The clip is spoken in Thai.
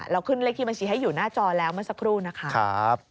ขึ้นเลขที่บัญชีให้อยู่หน้าจอแล้วเมื่อสักครู่นะคะ